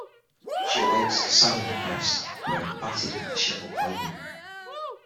She awakes, sad and depressed, wearing battered and disheveled clothing.